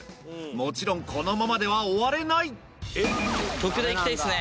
もちろんこのままでは終われない特大いきたいっすね！